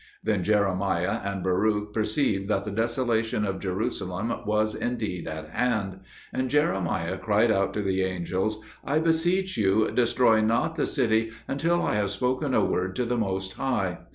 Then Jeremiah and Baruch perceived that the desolation of Jerusalem was indeed at hand; and Jeremiah cried out to the angels, "I beseech you, destroy not the city until I have spoken a word to the Most High."